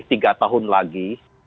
tiga tahun lagi